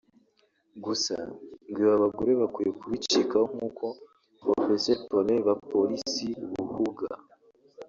Gusa ngo ibi abagore bakwiye kubicikaho nk’uko Prof Paulin Bapolisi Buhuga